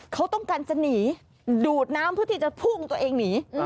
เขาต้องการจะหนีดูดน้ำเพื่อที่จะพุ่งตัวเองหนี